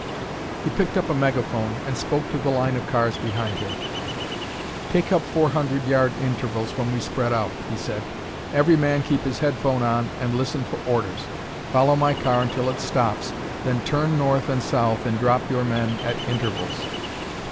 He picked up a megaphone and spoke to the line of cars behind him. "Take up four hundred yard intervals when we spread out," he said. "Every man keep his headphone on and listen for orders. Follow my car until it stops, then turn north and south and drop your men at intervals."